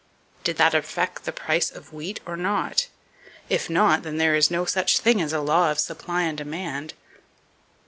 Did that affect the price of wheat or not? If not, then there is no such thing as a "law of supply and demand."